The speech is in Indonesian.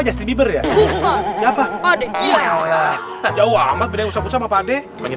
ya sih biber ya apa apa deh jauh jauh sama beda usah usah apaan deh mungkin